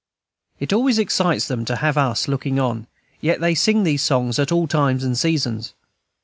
It always excites them to have us looking on, yet they sing these songs at all times and seasons.